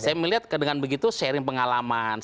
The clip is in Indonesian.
saya melihat dengan begitu sharing pengalaman